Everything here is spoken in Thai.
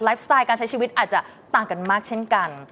สไตล์การใช้ชีวิตอาจจะต่างกันมากเช่นกัน